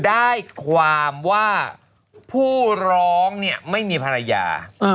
ได้ความว่าผู้ร้องเนี่ยไม่มีภรรยา